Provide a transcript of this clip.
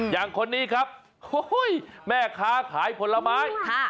อย่างคนนี้ครับแม่ค้าขายผลไม้